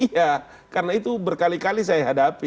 iya karena itu berkali kali saya hadapi